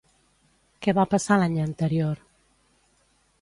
Què va passar l'any anterior?